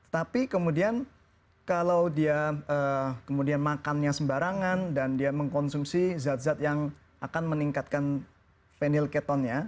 tapi kemudian kalau dia kemudian makannya sembarangan dan dia mengkonsumsi zat zat yang akan meningkatkan venil ketonnya